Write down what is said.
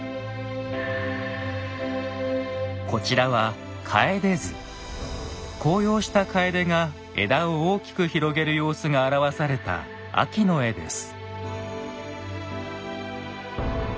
こちらは紅葉した楓が枝を大きく広げる様子が表された秋の絵です。